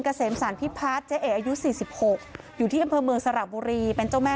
กระเสมสรรพิพัฒน์ใช่อยู่๔๖อยู่ที่พมเมืองสรบุรีเป็นเจ้าแม่